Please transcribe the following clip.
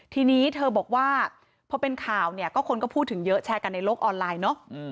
ทีนี้เธอบอกว่าพอเป็นข่าวเนี่ยก็คนก็พูดถึงเยอะแชร์กันในโลกออนไลน์เนอะ